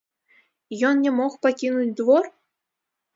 Ён не мог пакінуць двор?